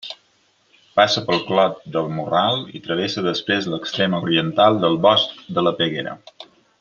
Passa pel Clot del Morral, i travessa després l'extrem oriental del bosc de la Peguera.